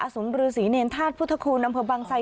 อสุนฤาษีเนรนธาตุพุทธคูณอำเภอบางไซย